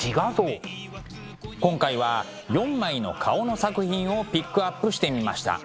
今回は４枚の顔の作品をピックアップしてみました。